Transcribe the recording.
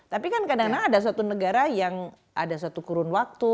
tapi kan kadang kadang ada satu negara yang ada satu kurun waktu